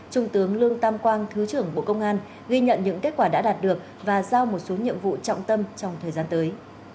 trung tướng lương tam quang thứ trưởng bộ công an ghi nhận những kết quả đã đạt được và giao một số nhiệm vụ trọng tâm trong thời gian tới